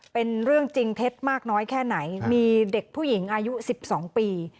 เป็นเรื่องจริงเท็จมากน้อยแค่ไหนมีเด็กผู้หญิงอายุ๑๒ปี